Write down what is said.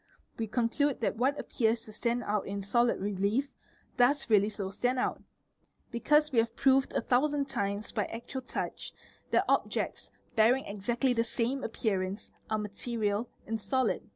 We tonelude that what appears to stand out in solid relief, does really so stand out ; because we have proved a thousand times by actual touch, 62 . EXAMINATION OF WITNESSES that objects bearing exactly the same appearance are material and solid.